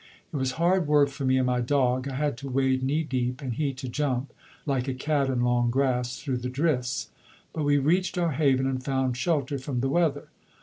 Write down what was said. It was hard work for me and my dog; I had to wade knee deep, and he to jump, like a cat in long grass, through the drifts. But we reached our haven and found shelter from the weather.